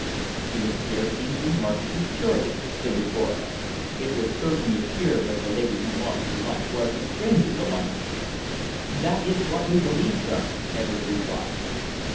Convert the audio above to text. "The affair seems remarkably curious," said the coroner. "It would certainly appear that the lady who lost her life was a stranger to London." "That is what we believe, sir," Edwards replied.